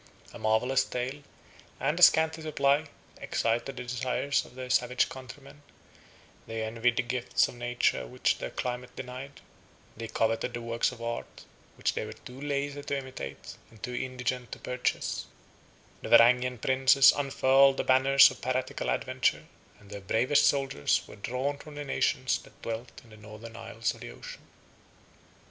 A marvellous tale, and a scanty supply, excited the desires of their savage countrymen: they envied the gifts of nature which their climate denied; they coveted the works of art, which they were too lazy to imitate and too indigent to purchase; the Varangian princes unfurled the banners of piratical adventure, and their bravest soldiers were drawn from the nations that dwelt in the northern isles of the ocean.